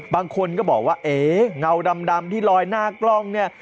บางคนก็บอกว่าเอ๊เงาดำที่ลอยหน้ากล้องเนี่ย